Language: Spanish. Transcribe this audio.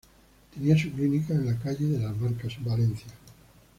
Tenía su clínica en la calle de las Barcas, en Valencia.